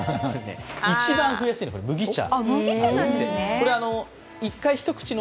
一番増えやすいのは麦茶。